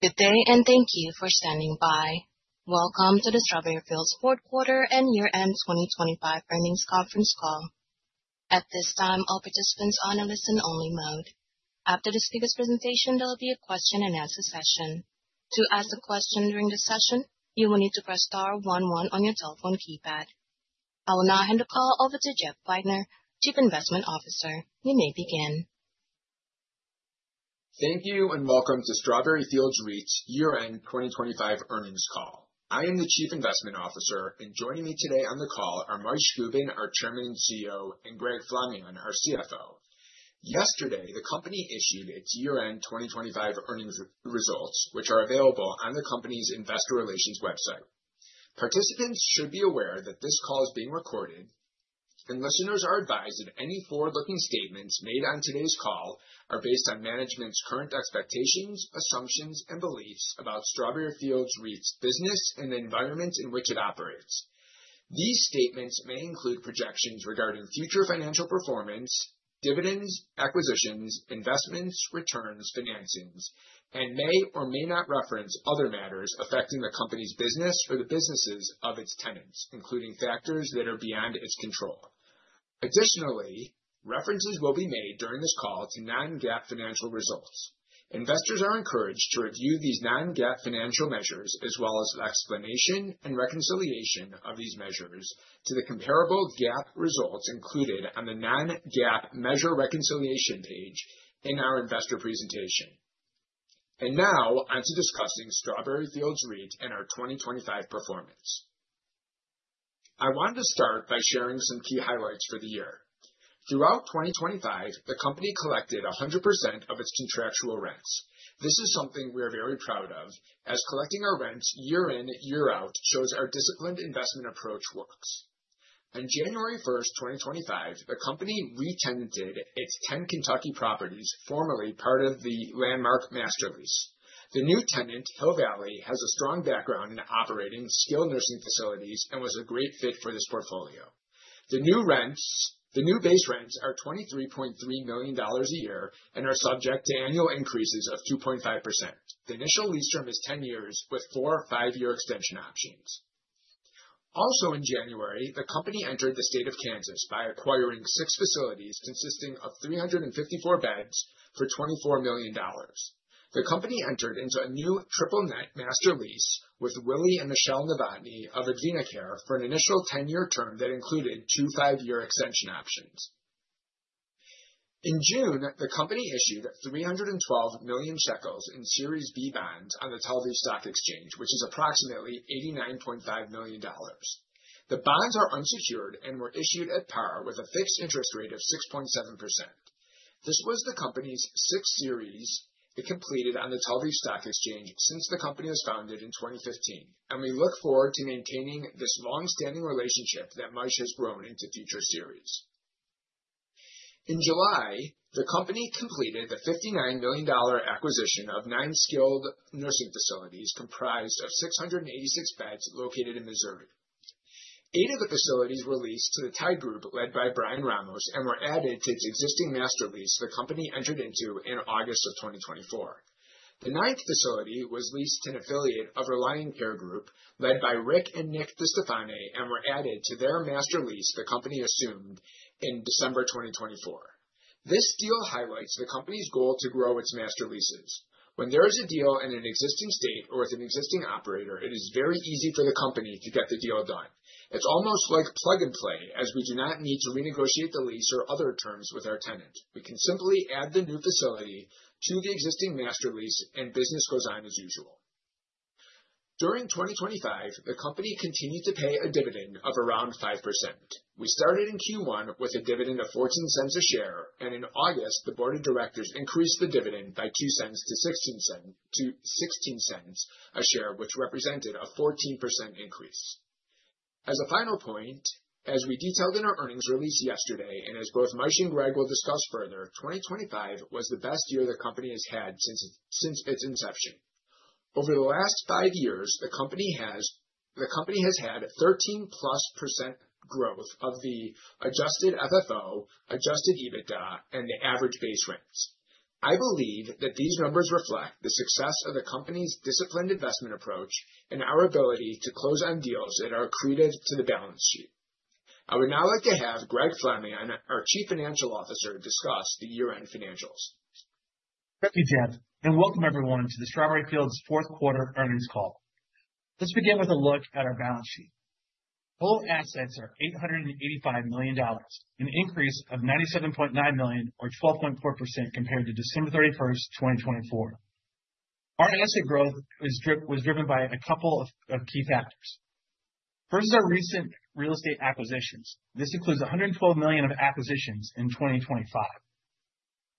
Good day and thank you for standing by. Welcome to the Strawberry Fields fourth quarter and year-end 2025 earnings conference call. At this time, all participants on a listen-only mode. After the speaker's presentation, there will be a question and answer session. To ask a question during the session, you will need to press star one one on your telephone keypad. I will now hand the call over to Jeff Wagner, Chief Investment Officer. You may begin. Thank you, welcome to Strawberry Fields REIT's year-end 2025 earnings call. I am the Chief Investment Officer, joining me today on the call are Moishe Gubin, our Chairman and CEO, and Greg Flamion, our CFO. Yesterday, the company issued its year-end 2025 earnings results, which are available on the company's investor relations website. Participants should be aware that this call is being recorded, listeners are advised that any forward-looking statements made on today's call are based on management's current expectations, assumptions, and beliefs about Strawberry Fields REIT's business and the environment in which it operates. These statements may include projections regarding future financial performance, dividends, acquisitions, investments, returns, financings, and may or may not reference other matters affecting the company's business or the businesses of its tenants, including factors that are beyond its control. Additionally, references will be made during this call to non-GAAP financial results. Investors are encouraged to review these non-GAAP financial measures, as well as an explanation and reconciliation of these measures to the comparable GAAP results included on the non-GAAP measure reconciliation page in our investor presentation. Now on to discussing Strawberry Fields REIT and our 2025 performance. I wanted to start by sharing some key highlights for the year. Throughout 2025, the company collected 100% of its contractual rents. This is something we are very proud of, as collecting our rents year in, year out, shows our disciplined investment approach works. On January 1st, 2025, the company re-tenanted its 10 Kentucky properties, formerly part of the Landmark master lease. The new tenant, Hill Valley, has a strong background in operating skilled nursing facilities and was a great fit for this portfolio. The new base rents are $23.3 million a year and are subject to annual increases of 2.5%. The initial lease term is 10 years with four or five-year extension options. Also in January, the company entered the state of Kansas by acquiring six facilities consisting of 354 beds for $24 million. The company entered into a new triple net master lease with Willie and Michelle Novotny of Avina Care for an initial 10-year term that included two five-year extension options. In June, the company issued 312 million shekels in Series B bonds on the Tel Aviv Stock Exchange, which is approximately $89.5 million. The bonds are unsecured and were issued at par with a fixed interest rate of 6.7%. This was the company's sixth series it completed on the Tel Aviv Stock Exchange since the company was founded in 2015, we look forward to maintaining this long-standing relationship that Moishe has grown into future series. In July, the company completed the ILS 59 million acquisition of nine skilled nursing facilities comprised of 686 beds located in Missouri. Eight of the facilities were leased to the Tide Group led by Brian Ramos and were added to its existing master lease the company entered into in August of 2024. The ninth facility was leased to an affiliate of Reliant Care Group, led by Rick and Nick DeStefane, and were added to their master lease the company assumed in December 2024. This deal highlights the company's goal to grow its master leases. When there is a deal in an existing state or with an existing operator, it is very easy for the company to get the deal done. It's almost like plug and play, as we do not need to renegotiate the lease or other terms with our tenant. We can simply add the new facility to the existing master lease and business goes on as usual. During 2025, the company continued to pay a dividend of around 5%. We started in Q1 with a dividend of $0.14 a share, and in August, the board of directors increased the dividend by$0.02 to $0.16 a share, which represented a 14% increase. As a final point, as we detailed in our earnings release yesterday, and as both Moishe and Greg will discuss further, 2025 was the best year the company has had since its inception. Over the last five years, the company has had 13-plus % growth of the Adjusted FFO, Adjusted EBITDA, and the average base rents. I believe that these numbers reflect the success of the company's disciplined investment approach and our ability to close on deals that are accretive to the balance sheet. I would now like to have Greg Flamion, our Chief Financial Officer, to discuss the year-end financials. Thank you, Jeff, and welcome everyone to the Strawberry Fields fourth quarter earnings call. Let's begin with a look at our balance sheet. Total assets are $885 million, an increase of $97.9 million or 12.4% compared to December 31st, 2024. Our asset growth was driven by a couple of key factors. First is our recent real estate acquisitions. This includes $112 million of acquisitions in 2025.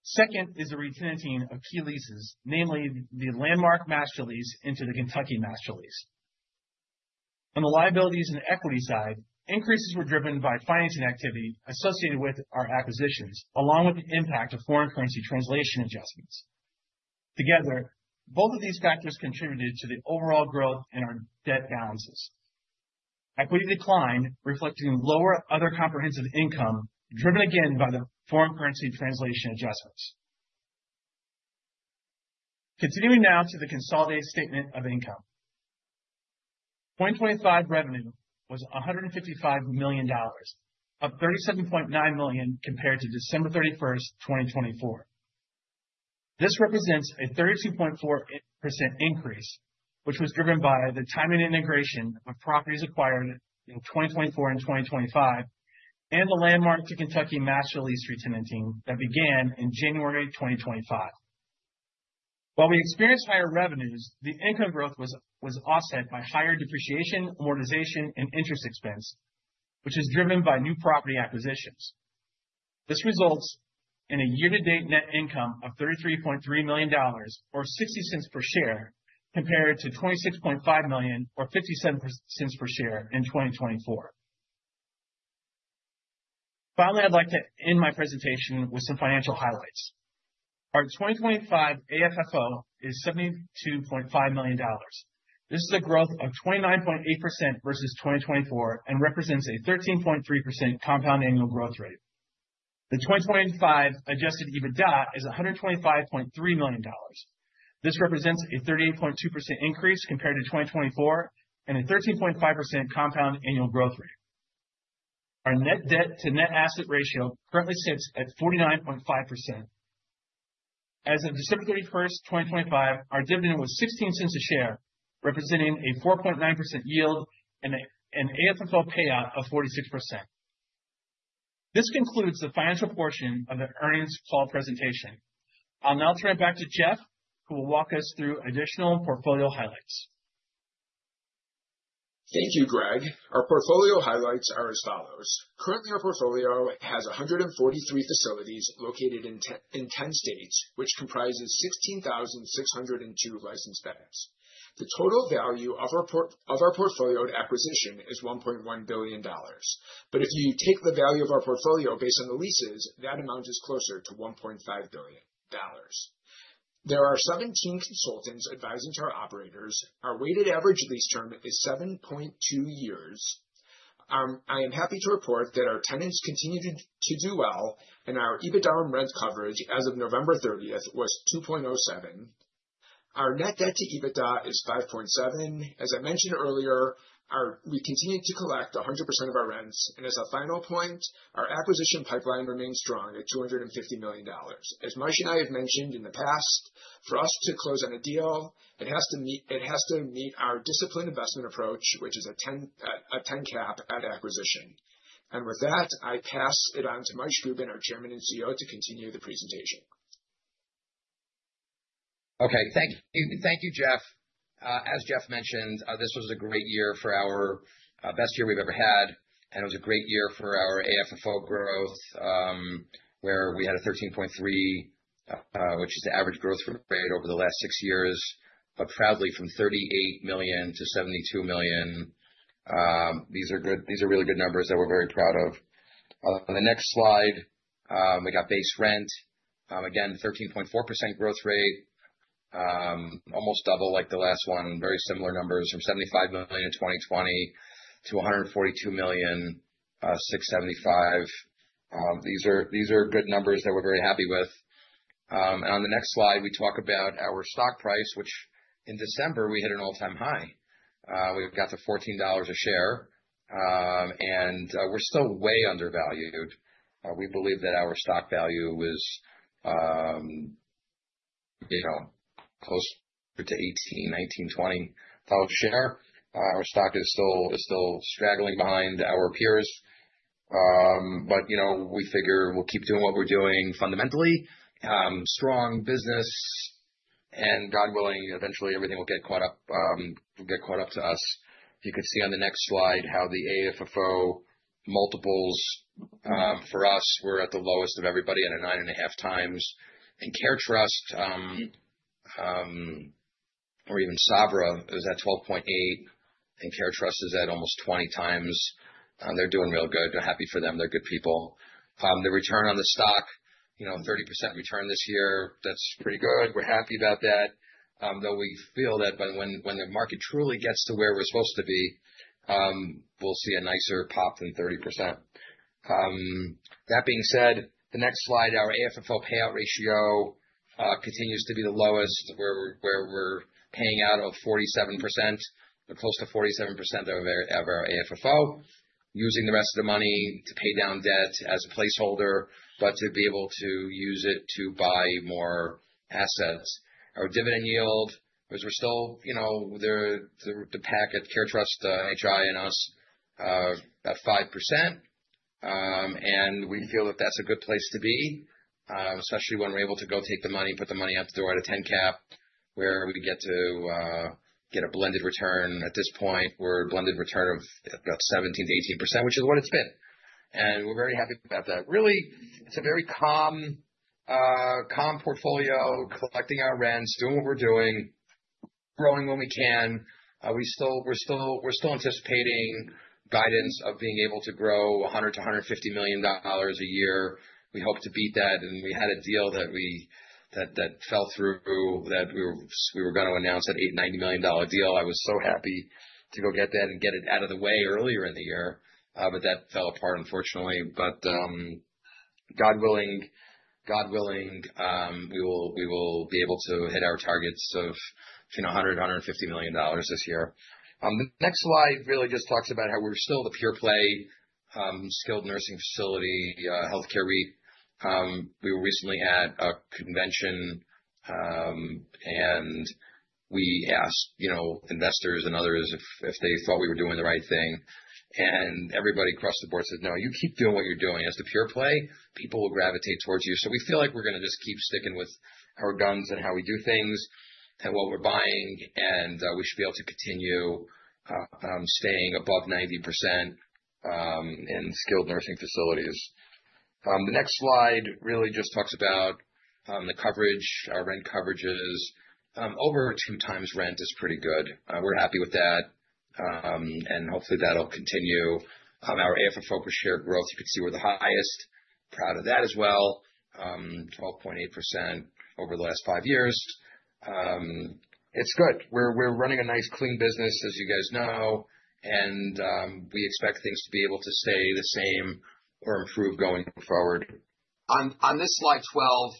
Second is the re-tenanting of key leases, namely the Landmark master lease into the Kentucky master lease. On the liabilities and equity side, increases were driven by financing activity associated with our acquisitions, along with the impact of foreign currency translation adjustments. Together, both of these factors contributed to the overall growth in our debt balances. Equity decline reflecting lower other comprehensive income, driven again by the foreign currency translation adjustments. Continuing now to the consolidated statement of income. 2025 revenue was $155 million, up $37.9 million compared to December 31st, 2024. This represents a 32.4% increase, which was driven by the timing and integration of properties acquired in 2024 and 2025, and the Landmark to Kentucky master lease retenanting that began in January 2025. While we experienced higher revenues, the income growth was offset by higher depreciation, amortization, and interest expense, which is driven by new property acquisitions. This results in a year-to-date net income of $33.3 million, or $0.60 per share, compared to $26.5 million or $0.57 per share in 2024. Finally, I'd like to end my presentation with some financial highlights. Our 2025 AFFO is $72.5 million. This is a growth of 29.8% versus 2024 and represents a 13.3% compound annual growth rate. The 2025 adjusted EBITDA is $125.3 million. This represents a 38.2% increase compared to 2024 and a 13.5% compound annual growth rate. Our net debt to net asset ratio currently sits at 49.5%. As of December 31st, 2025, our dividend was $0.16 a share, representing a 4.9% yield and an AFFO payout of 46%. This concludes the financial portion of the earnings call presentation. I'll now turn it back to Jeff, who will walk us through additional portfolio highlights. Thank you, Greg. Our portfolio highlights are as follows. Currently, our portfolio has 143 facilities located in 10 states, which comprises 16,602 licensed beds. The total value of our portfolio at acquisition is $1.1 billion. But if you take the value of our portfolio based on the leases, that amount is closer to $1.5 billion. There are 17 consultants advising to our operators. Our weighted average lease term is 7.2 years. I am happy to report that our tenants continue to do well, and our EBITDA on rent coverage as of November 30th was 2.07. Our net debt to EBITDA is 5.7. As I mentioned earlier, we continue to collect 100% of our rents. As a final point, our acquisition pipeline remains strong at $250 million. As Moishe and I have mentioned in the past, for us to close on a deal, it has to meet our disciplined investment approach, which is a 10 cap at acquisition. With that, I pass it on to Moishe Gubin, our Chairman and CEO, to continue the presentation. Okay. Thank you, Jeff. As Jeff mentioned, this was a great year for our best year we've ever had, and it was a great year for our AFFO growth, where we had a 13.3%, which is the average growth rate over the last six years, but proudly from 38 million to 72 million. These are really good numbers that we're very proud of. On the next slide, we got base rent. Again, 13.4% growth rate, almost double like the last one. Very similar numbers from $75 million in 2020 to $142.675 million. These are good numbers that we're very happy with. On the next slide, we talk about our stock price, which in December, we hit an all-time high. We've got to $14 a share, and we're still way undervalued. We believe that our stock value is close to $18, $19, $20 a share. Our stock is still straggling behind our peers. We figure we'll keep doing what we're doing fundamentally. Strong business, God willing, eventually everything will get caught up to us. If you could see on the next slide how the AFFO multiples for us were at the lowest of everybody at a 9.5 times. CareTrust or even Sabra is at 12.8x, and CareTrust is at almost 20x. They're doing real good. We're happy for them. They're good people. The return on the stock, 30% return this year, that's pretty good. We're happy about that, though we feel that when the market truly gets to where we're supposed to be, we'll see a nicer pop than 30%. That being said, the next slide, our AFFO payout ratio continues to be the lowest where we're paying out of 47%, close to 47% of our AFFO. Using the rest of the money to pay down debt as a placeholder, but to be able to use it to buy more assets. Our dividend yield, which we're still the pack at CareTrust, HI, and us, about 5%. We feel that that's a good place to be, especially when we're able to go take the money, put the money out the door at a 10 cap, where we get to get a blended return. At this point, we're a blended return of about 17%-18%, which is what it's been. We're very happy about that. Really, it's a very calm portfolio, collecting our rents, doing what we're doing. Growing when we can. We're still anticipating guidance of being able to grow 100 million to ILS 150 million a year. We hope to beat that. We had a deal that fell through, that we were going to announce an $890 million deal. I was so happy to go get that and get it out of the way earlier in the year. That fell apart, unfortunately. God willing, we will be able to hit our targets of 100 million to ILS 150 million this year. The next slide really just talks about how we're still the pure play, skilled nursing facility, healthcare REIT. We were recently at a convention, we asked investors and others if they thought we were doing the right thing, and everybody across the board said, "No, you keep doing what you're doing. As the pure play, people will gravitate towards you." We feel like we're going to just keep sticking with our guns and how we do things and what we're buying, and we should be able to continue staying above 90% in skilled nursing facilities. The next slide really just talks about the coverage. Our rent coverage is over two times rent is pretty good. We're happy with that, and hopefully, that'll continue. Our AFFO per share growth, you can see we're the highest. Proud of that as well. 12.8% over the last five years. It's good. We're running a nice, clean business, as you guys know, and we expect things to be able to stay the same or improve going forward. On slide 12,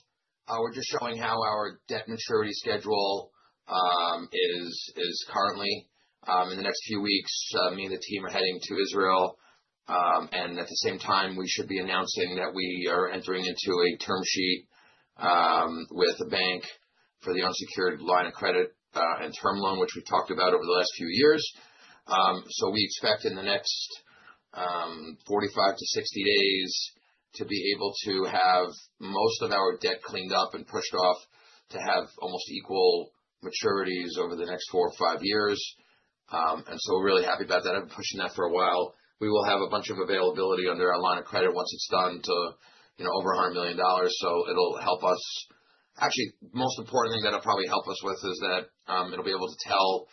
we're just showing how our debt maturity schedule is currently. In the next few weeks, me and the team are heading to Israel, and at the same time, we should be announcing that we are entering into a term sheet with a bank for the unsecured line of credit and term loan, which we've talked about over the last few years. We expect in the next 45 to 60 days to be able to have most of our debt cleaned up and pushed off to have almost equal maturities over the next four or five years. We're really happy about that and pushing that for a while. We will have a bunch of availability under our line of credit once it's done to over ILS 100 million. It'll help us. Actually, the most important thing that it'll probably help us with is that it'll be able to tell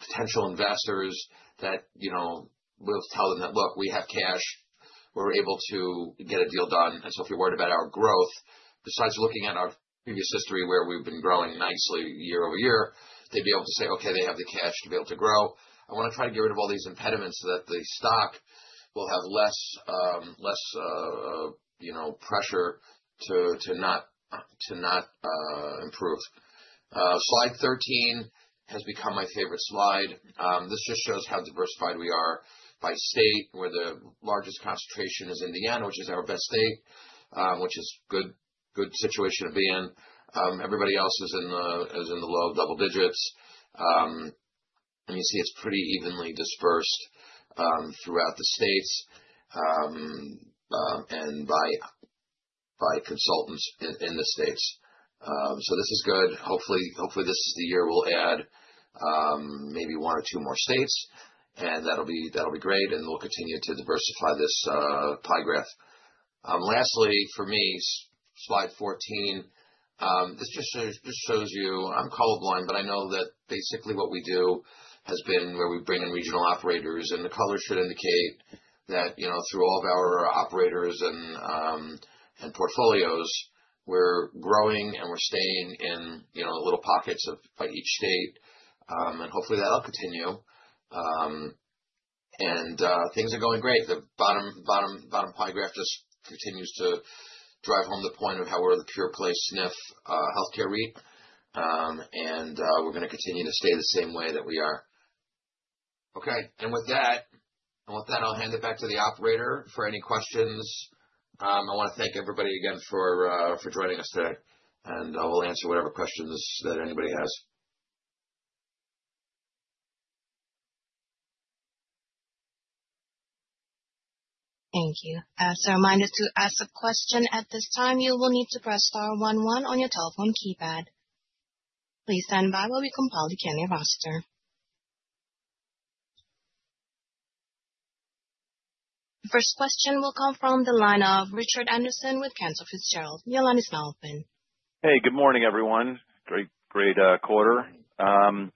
potential investors that, we'll tell them that, "Look, we have cash. We're able to get a deal done." If you're worried about our growth, besides looking at our previous history where we've been growing nicely year-over-year, they'd be able to say, "Okay, they have the cash to be able to grow." I want to try and get rid of all these impediments so that the stock will have less pressure to not improve. Slide 13 has become my favorite slide. This just shows how diversified we are by state, where the largest concentration is Indiana, which is our best state, which is a good situation to be in. Everybody else is in the low double digits. You see it's pretty evenly dispersed throughout the states, and by consultants in the states. This is good. Hopefully, this is the year we'll add maybe one or two more states, and that'll be great, and we'll continue to diversify this pie graph. Lastly, for me, slide 14. This just shows you, I'm colorblind, but I know that basically what we do has been where we bring in regional operators, and the color should indicate that through all of our operators and portfolios, we're growing and we're staying in little pockets of each state. Hopefully, that'll continue. Things are going great. The bottom pie graph just continues to drive home the point of how we're the pure play SNF healthcare REIT, and we're going to continue to stay the same way that we are. Okay. With that, I'll hand it back to the operator for any questions. I want to thank everybody again for joining us today, and we'll answer whatever questions that anybody has. Thank you. As a reminder, to ask a question at this time, you will need to press star one one on your telephone keypad. Please stand by while we compile the attendee roster. The first question will come from the line of Richard Anderson with Cantor Fitzgerald. Your line is now open. Hey, good morning, everyone. Great quarter. If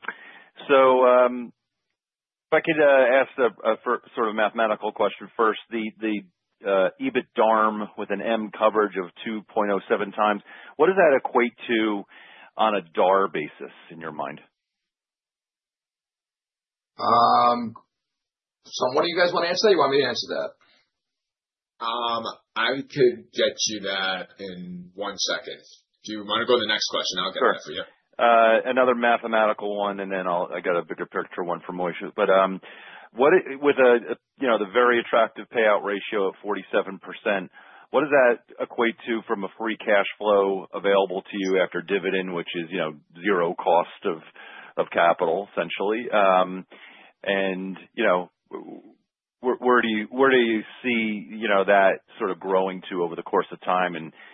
I could ask a sort of mathematical question first. The EBITDARM, with an M, coverage of 2.07 times, what does that equate to on a EBITDAR basis in your mind? One of you guys want to answer that, or you want me to answer that? I could get you that in one second. Do you mind if we go to the next question? I'll get that for you. Sure. Another mathematical one, and then I got a bigger picture one for Moishe. With the very attractive payout ratio of 47%, what does that equate to from a free cash flow available to you after dividend, which is zero cost of capital, essentially? Where do you see that sort of growing to over the course of time?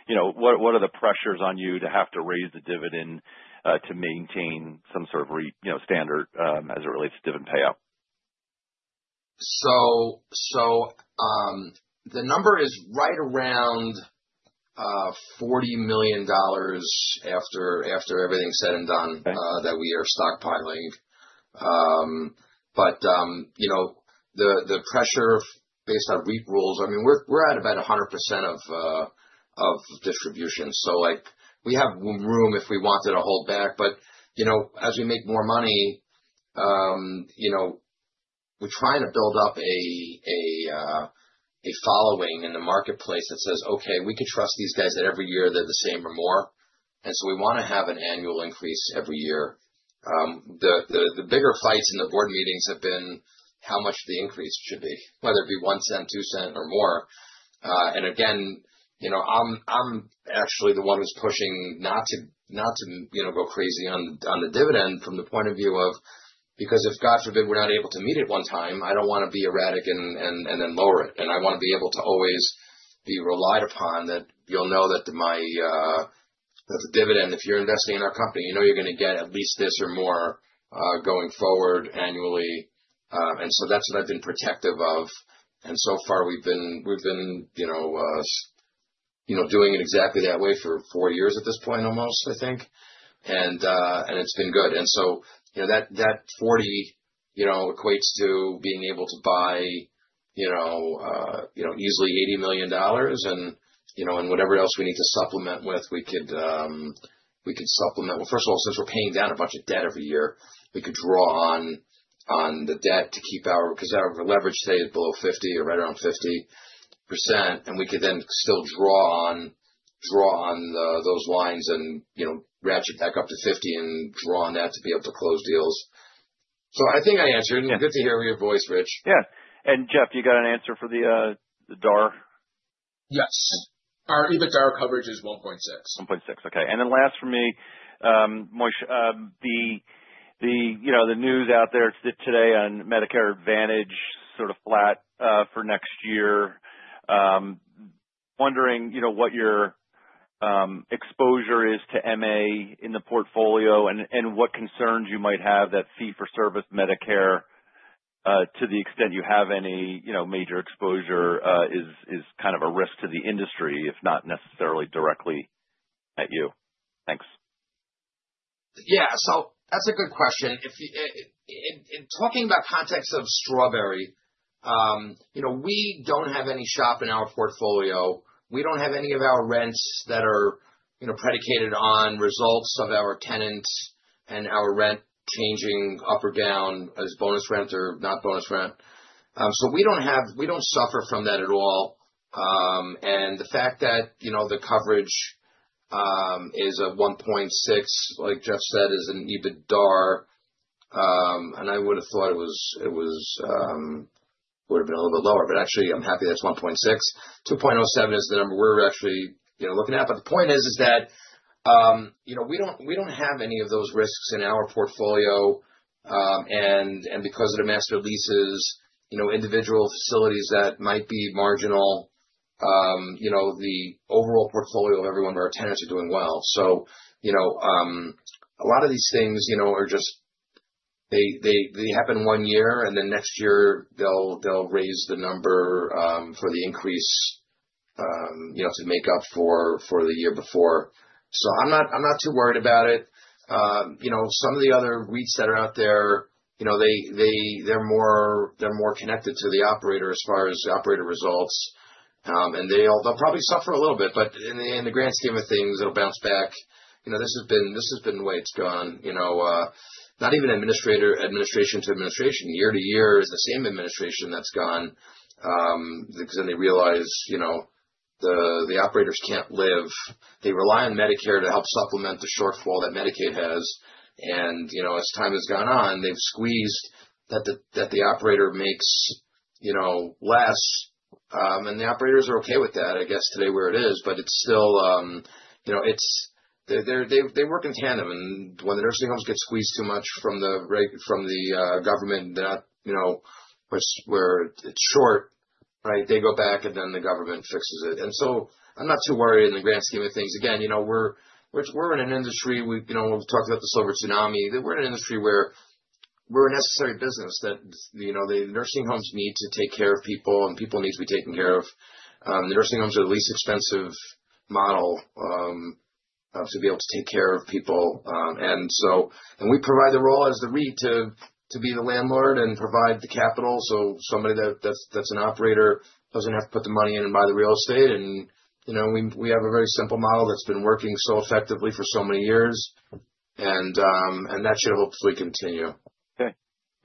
What are the pressures on you to have to raise the dividend to maintain some sort of standard as it relates to dividend payout? The number is right around ILS 40 million after everything is said and done. Okay That we are stockpiling. The pressure based on REIT rules, we're at about 100% of distribution. We have room if we wanted to hold back. As we make more money, we're trying to build up a following in the marketplace that says, "Okay, we can trust these guys that every year they're the same or more." We want to have an annual increase every year. The bigger fights in the board meetings have been how much the increase should be, whether it be 0.01, 0.02, or more. Again, I'm actually the one who's pushing not to go crazy on the dividend from the point of view of, because if, God forbid, we're not able to meet it one time, I don't want to be erratic and then lower it. I want to be able to always be relied upon that you'll know that the dividend, if you're investing in our company, you know you're going to get at least this or more, going forward annually. That's what I've been protective of. So far, we've been doing it exactly that way for four years at this point almost, I think. It's been good. That 40 equates to being able to buy easily $80 million, and whatever else we need to supplement with, we could supplement. Well, first of all, since we're paying down a bunch of debt every year, we could draw on the debt to keep our leverage stay below 50% or right around 50%. We could then still draw on those lines and ratchet back up to 50 and draw on that to be able to close deals. I think I answered. Yeah. Good to hear your voice, Rich. Yeah. Jeff, you got an answer for the EBITDAR? Yes. Our EBITDAR coverage is 1.6. 1.6. Okay. Last for me, Moishe, the news out there today on Medicare Advantage sort of flat, for next year. Wondering, what your exposure is to MA in the portfolio and what concerns you might have that fee for service Medicare, to the extent you have any, major exposure, is kind of a risk to the industry, if not necessarily directly at you. Thanks. Yeah. That's a good question. In talking about context of Strawberry, we don't have any SHOP in our portfolio. We don't have any of our rents that are predicated on results of our tenants and our rent changing up or down as bonus rent or not bonus rent. We don't suffer from that at all. The fact that the coverage is a 1.6, like Jeff said, is an EBITDAR. I would've thought it would've been a little bit lower, but actually, I'm happy that it's 1.6. 2.07 is the number we're actually looking at. The point is that we don't have any of those risks in our portfolio. Because of the master leases, individual facilities that might be marginal, the overall portfolio of every one of our tenants are doing well. A lot of these things, they happen one year, and next year, they'll raise the number, for the increase, to make up for the year before. I'm not too worried about it. Some of the other REITs that are out there, they're more connected to the operator as far as the operator results. They'll probably suffer a little bit, but in the grand scheme of things, it'll bounce back. This has been the way it's gone, not even administration to administration, year to year is the same administration that's gone. They realize the operators can't live. They rely on Medicare to help supplement the shortfall that Medicaid has. As time has gone on, they've squeezed that the operator makes less. The operators are okay with that, I guess, today where it is, but they work in tandem. When the nursing homes get squeezed too much from the government, they're not where it's short. They go back, then the government fixes it. I'm not too worried in the grand scheme of things. Again, we're in an industry, we've talked about the silver tsunami. We're in an industry where we're a necessary business that the nursing homes need to take care of people, and people need to be taken care of. The nursing homes are the least expensive model to be able to take care of people. We provide the role as the REIT to be the landlord and provide the capital. Somebody that's an operator doesn't have to put the money in and buy the real estate. We have a very simple model that's been working so effectively for so many years. That should hopefully continue.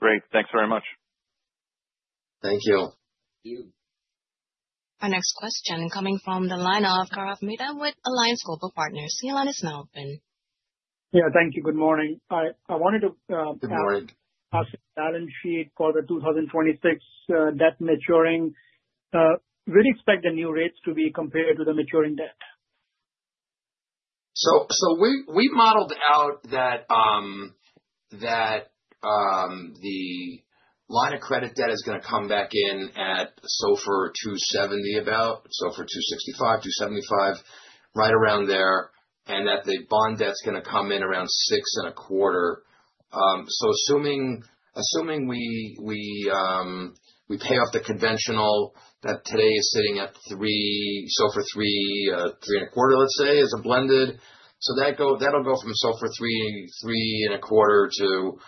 Okay, great. Thanks very much. Thank you. Thank you. Our next question coming from the line of Gaurav Mehta with Alliance Global Partners. Your line is now open. Yeah, thank you. Good morning. Good morning. I wanted to ask balance sheet for the 2026 debt maturing. Do you really expect the new rates to be compared to the maturing debt? We modeled out that the line of credit debt is going to come back in at SOFR 270 about. SOFR 265, 275, right around there. That the bond debt's going to come in around 6 and a quarter. Assuming we pay off the conventional that today is sitting at 3, so for 3 and a quarter, let's say, as a blended. That'll go from SOFR 3 and a quarter to,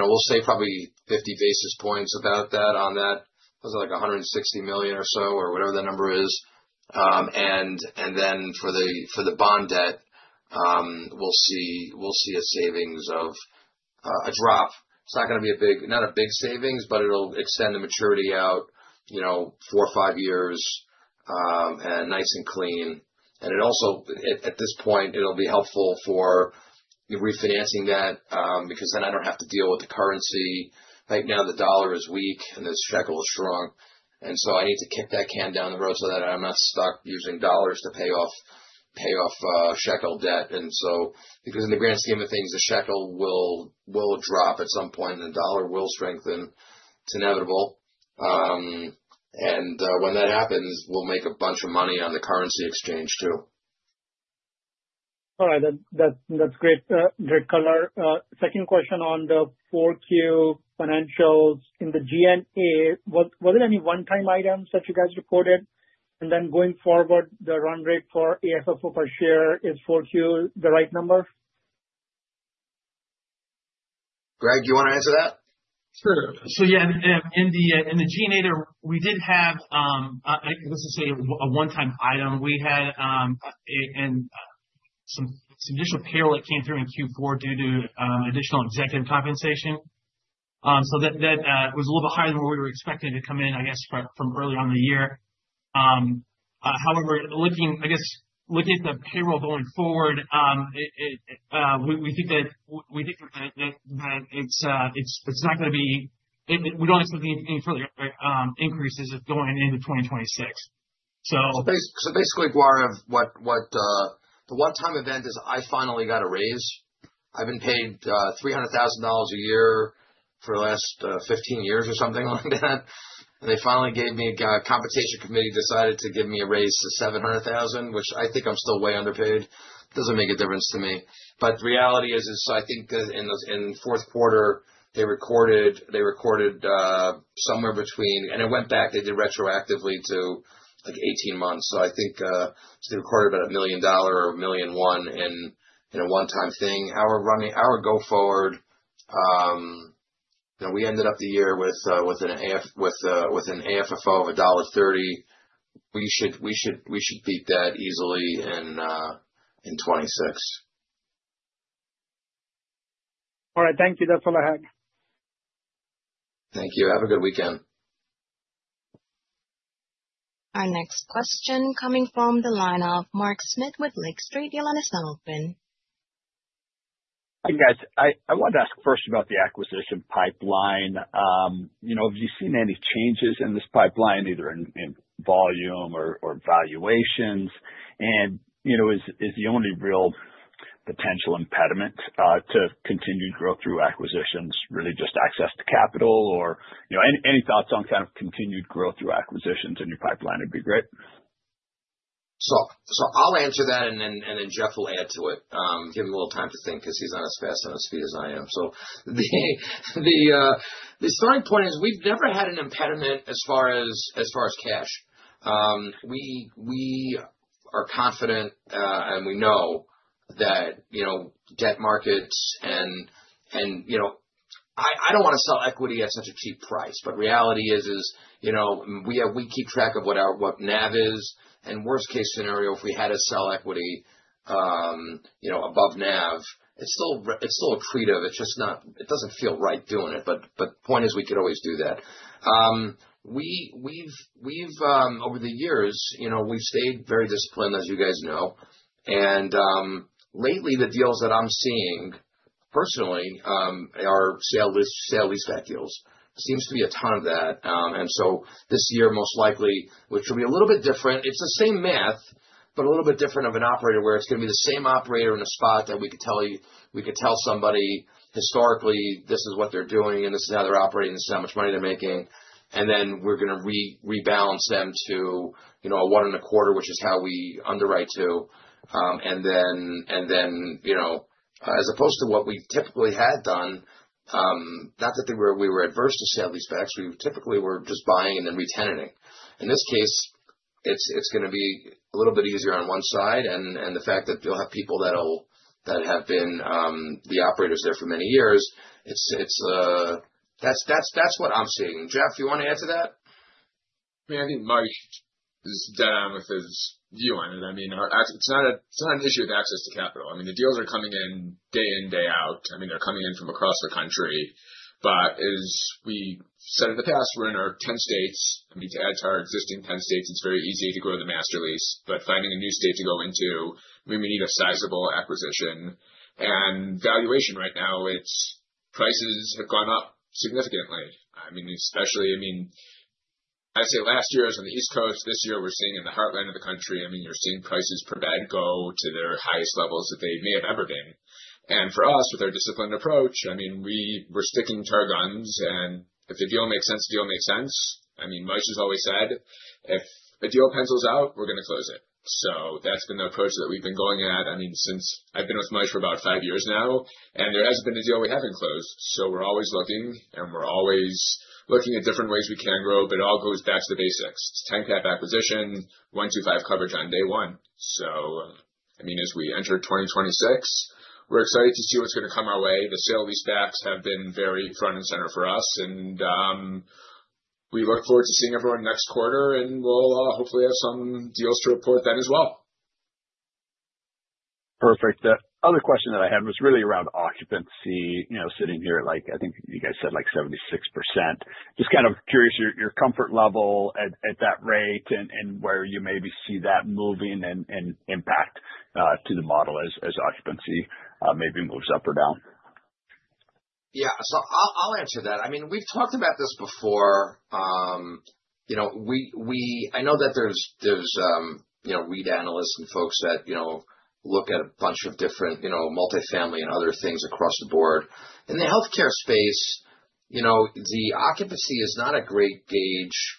we'll say probably 50 basis points about that on that. It was like 160 million or so or whatever the number is. For the bond debt, we'll see a savings of a drop. It's not a big savings, but it'll extend the maturity out, 4 or 5 years, and nice and clean. It also, at this point, it'll be helpful for refinancing that, because then I don't have to deal with the currency. Right now the dollar is weak and the shekel is strong. I need to kick that can down the road so that I'm not stuck using dollars to pay off shekel debt. Because in the grand scheme of things, the shekel will drop at some point and the dollar will strengthen. It's inevitable. When that happens, we'll make a bunch of money on the currency exchange too. All right. That's great color. Second question on the 4Q financials. In the G&A, was there any one-time items that you guys reported? Going forward, the run rate for AFFO per share is 4Q the right number? Greg, do you want to answer that? Sure. In the G&A there, we did have, I can honestly say, a one-time item. We had some additional payroll that came through in Q4 due to additional executive compensation. That was a little bit higher than what we were expecting to come in, I guess, from early on in the year. However, I guess looking at the payroll going forward, we think that it's not going to be We don't expect any further increases going into 2026. Basically, Gaurav, the one-time event is I finally got a raise. I've been paid $300,000 a year for the last 15 years or something like that. They finally gave me, compensation committee decided to give me a raise to $700,000, which I think I'm still way underpaid. Doesn't make a difference to me. The reality is, I think in fourth quarter, they recorded somewhere between It went back, they did retroactively to 18 months. They recorded about $1 million or $1.1 million in a one-time thing. Our go forward, we ended up the year with an AFFO of $1.30. We should beat that easily in 2026. All right. Thank you. That's all I had. Thank you. Have a good weekend. Our next question coming from the line of Mark Smith with Lake Street. Your line is now open. Hi, guys. I wanted to ask first about the acquisition pipeline. Have you seen any changes in this pipeline, either in volume or valuations? Is the only real potential impediment to continued growth through acquisitions really just access to capital? Any thoughts on kind of continued growth through acquisitions in your pipeline would be great. I'll answer that and then Jeff will add to it. Give him a little time to think because he's not as fast on his feet as I am. The starting point is we've never had an impediment as far as cash. We are confident and we know that debt markets and I don't want to sell equity at such a cheap price, but reality is we keep track of what our NAV is. Worst case scenario, if we had to sell equity above NAV, it's still accretive. It doesn't feel right doing it, but point is, we could always do that. Over the years, we've stayed very disciplined, as you guys know. Lately, the deals that I'm seeing personally are sale leaseback deals. Seems to be a ton of that. This year, most likely, which will be a little bit different. It's the same math, but a little bit different of an operator, where it's going to be the same operator in a spot that we could tell somebody historically, this is what they're doing and this is how they're operating. This is how much money they're making. Then we're going to rebalance them to a one and a quarter, which is how we underwrite to. Then as opposed to what we typically had done, not that we were adverse to sale leasebacks, we typically were just buying and then re-tenanting. In this case, it's going to be a little bit easier on one side, and the fact that you'll have people that have been the operators there for many years, that's what I'm seeing. Jeff, you want to add to that? I think Mark is dead on with his view on it. It's not an issue of access to capital. I mean, the deals are coming in day in, day out. They're coming in from across the country. As we said in the past, we're in our 10 states. To add to our existing 10 states, it's very easy to grow the master lease, but finding a new state to go into, we would need a sizable acquisition. Valuation right now, prices have gone up significantly. I'd say last year it was on the East Coast. This year we're seeing in the heartland of the country, you're seeing prices per bed go to their highest levels that they may have ever been. For us, with our disciplined approach, we're sticking to our guns, and if the deal makes sense, the deal makes sense. Moishe has always said, "If a deal pencils out, we're going to close it." That's been the approach that we've been going at since I've been with Moishe for about five years now, and there hasn't been a deal we haven't closed. We're always looking at different ways we can grow, but it all goes back to the basics. 10 cap acquisition, 125 coverage on day one. As we enter 2026, we're excited to see what's going to come our way. The sale leasebacks have been very front and center for us, and we'll hopefully have some deals to report then as well. Perfect. The other question that I had was really around occupancy, sitting here at, I think you guys said 76%. Just kind of curious your comfort level at that rate and where you maybe see that moving and impact to the model as occupancy maybe moves up or down. Yeah. I'll answer that. We've talked about this before. I know that there's REIT analysts and folks that look at a bunch of different multifamily and other things across the board. In the healthcare space, the occupancy is not a great gauge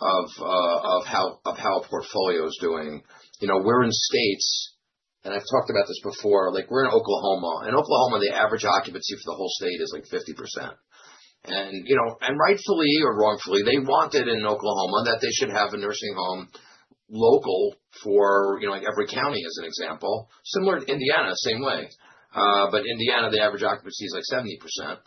of how a portfolio is doing. We're in states, and I've talked about this before. We're in Oklahoma. In Oklahoma, the average occupancy for the whole state is 50%. Rightfully or wrongfully, they want it in Oklahoma that they should have a nursing home local for every county, as an example. Similar to Indiana, same way. Indiana, the average occupancy is 70%,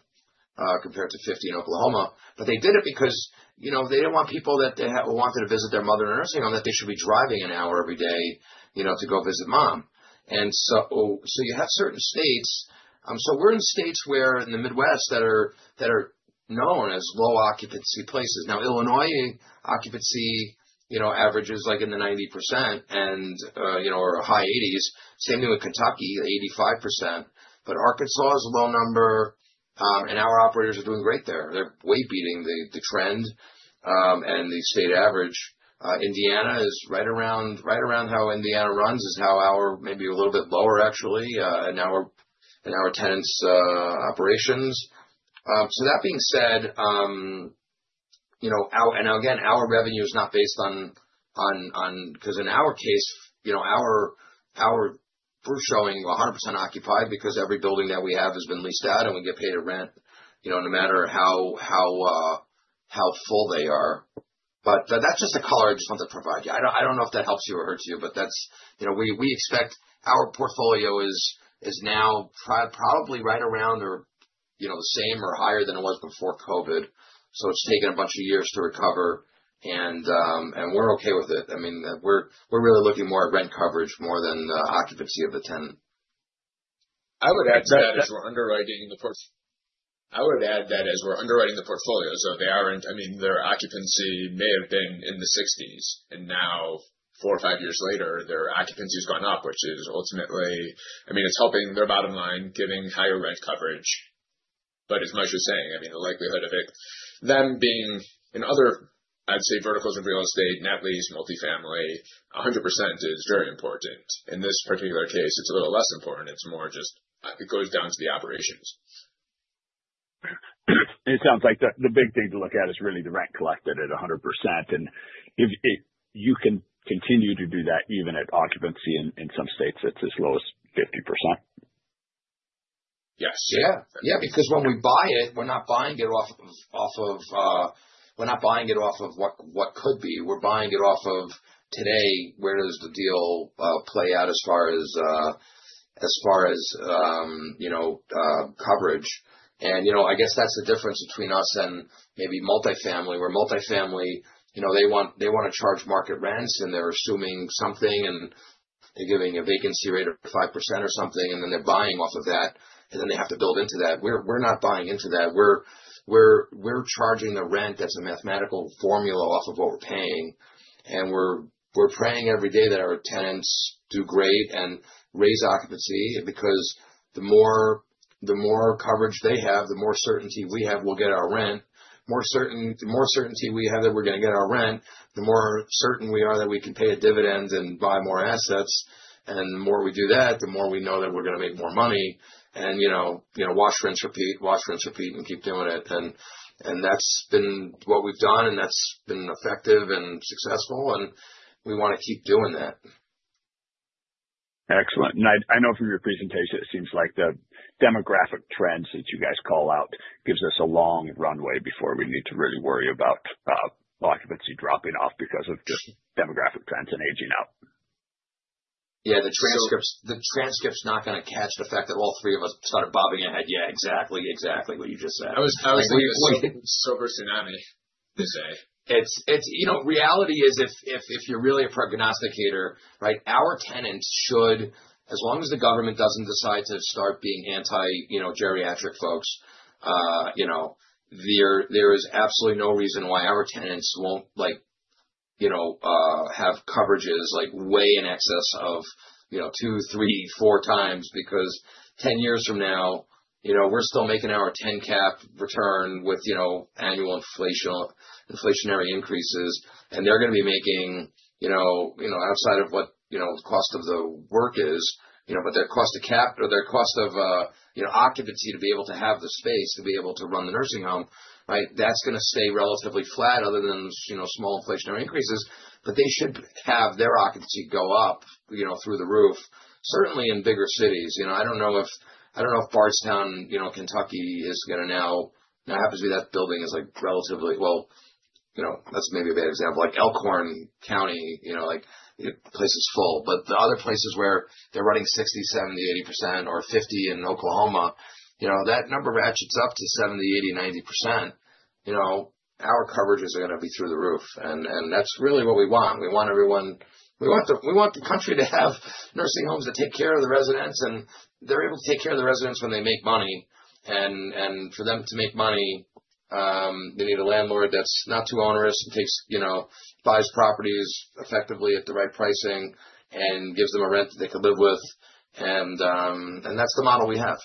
compared to 50 in Oklahoma. They did it because they didn't want people that wanted to visit their mother in a nursing home, that they should be driving an hour every day to go visit mom. You have certain states. We're in states where in the Midwest that are known as low occupancy places. Illinois occupancy averages in the 90% or high 80s. Same thing with Kentucky, 85%. Arkansas is a low number, and our operators are doing great there. They're way beating the trend and the state average. Indiana is right around how Indiana runs, is how our tenants' operations. That being said, and again, our revenue is not based on. In our case, our proof showing 100% occupied because every building that we have has been leased out, and we get paid a rent, no matter how full they are. That's just a color I just wanted to provide you. I don't know if that helps you or hurts you. We expect our portfolio is now probably right around or the same or higher than it was before COVID. It's taken a bunch of years to recover, and we're okay with it. We're really looking more at rent coverage more than the occupancy of the tenant. I would add to that, as we're underwriting the portfolio. Their occupancy may have been in the 60s, and now four or five years later, their occupancy has gone up, which is ultimately helping their bottom line, giving higher rent coverage. As Moishe was saying, the likelihood of them being in other, I'd say, verticals of real estate, net lease, multifamily, 100% is very important. In this particular case, it's a little less important. It's more just, it goes down to the operations. It sounds like the big thing to look at is really the rent collected at 100%. You can continue to do that even at occupancy in some states that's as low as 50%. Yes. Yeah. Because when we buy it, we're not buying it off of what could be. We're buying it off of today, where does the deal play out as far as coverage. I guess that's the difference between us and maybe multifamily, where multifamily, they want to charge market rents, and they're assuming something, and they're giving a vacancy rate of 5% or something, and then they're buying off of that, and then they have to build into that. We're not buying into that. We're charging the rent as a mathematical formula off of what we're paying. We're praying every day that our tenants do great and raise occupancy because the more coverage they have, the more certainty we have we'll get our rent. The more certainty we have that we're going to get our rent, the more certain we are that we can pay a dividend and buy more assets. The more we do that, the more we know that we're going to make more money, and wash, rinse, repeat, and keep doing it. That's been what we've done, and that's been effective and successful, and we want to keep doing that. Excellent. I know from your presentation, it seems like the demographic trends that you guys call out gives us a long runway before we need to really worry about occupancy dropping off because of just demographic trends and aging out. Yeah. The transcript's not going to catch the fact that all three of us started bobbing our head. Yeah, exactly what you just said. I was waiting for silver tsunami to say. Reality is if you're really a prognosticator, our tenants should, as long as the government doesn't decide to start being anti-geriatric folks, there is absolutely no reason why our tenants won't have coverages way in excess of two, three, four times. 10 years from now, we're still making our 10 cap return with annual inflationary increases, and they're going to be making, outside of what the cost of the work is, but their cost of occupancy to be able to have the space to be able to run the nursing home, that's going to stay relatively flat other than small inflationary increases. They should have their occupancy go up through the roof, certainly in bigger cities. I don't know if Bardstown, Kentucky is going to now it happens to be that building is relatively, well, that's maybe a bad example. Like Walworth County, the place is full. The other places where they're running 60%, 70%, 80%, or 50% in Oklahoma, that number ratchets up to 70%, 80%, 90%. Our coverages are going to be through the roof. That's really what we want. We want the country to have nursing homes that take care of the residents, and they're able to take care of the residents when they make money. For them to make money, they need a landlord that's not too onerous and buys properties effectively at the right pricing and gives them a rent that they can live with. That's the model we have.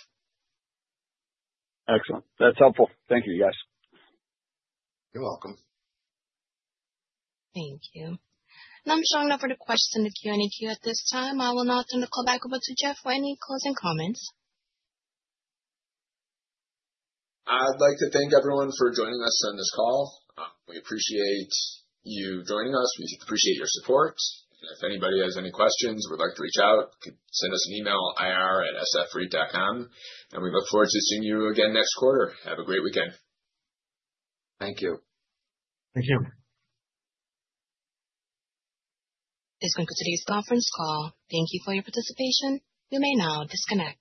Excellent. That's helpful. Thank you, guys. You're welcome. Thank you. I'm showing no further questions in the Q&A queue at this time. I will now turn the call back over to Jeff for any closing comments. I'd like to thank everyone for joining us on this call. We appreciate you joining us. We appreciate your support. If anybody has any questions or would like to reach out, send us an email ir@sfreit.com. We look forward to seeing you again next quarter. Have a great weekend. Thank you. Thank you. This concludes today's conference call. Thank you for your participation. You may now disconnect.